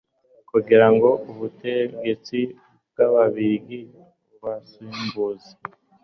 kugirango ubutegetsi bw'ababiligi bubasimbuze